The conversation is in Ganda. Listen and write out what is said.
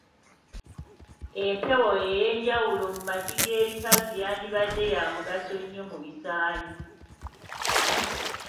Empewo ey'enjawulo mu magi g’ebikazi yandibadde ya mugaso nnyo mu bisaanyi.